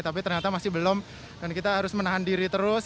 tapi ternyata masih belum dan kita harus menahan diri terus